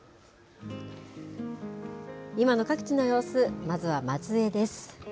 今の各地の様子、まずは松江です。